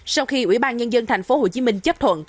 sau khi ủy ban nhân dân thành phố hồ chí minh chấp thuận